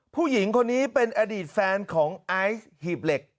ผู้หญิงคนนี้เป็นอดีตแฟนของไอซ์หีบเหล็ก